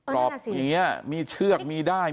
เออนั่นน่ะสิมีเชือกมีได้